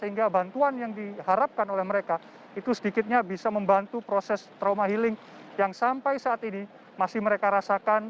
sehingga bantuan yang diharapkan oleh mereka itu sedikitnya bisa membantu proses trauma healing yang sampai saat ini masih mereka rasakan